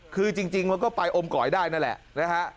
คือจริงมันก็ไปอมก่อยได้นั่นแหละนะฮะ